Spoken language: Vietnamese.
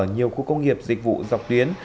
nhiều khu công nghiệp dịch vụ dọc tuyến